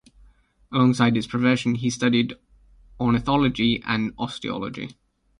Alongside his profession he studied ornithology and osteology.